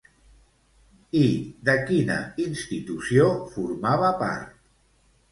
I de quina institució formava part?